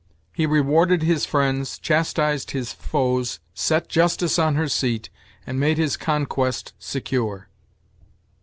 " "He rewarded his friends, chastised his foes, set Justice on her seat, and made his conquest secure."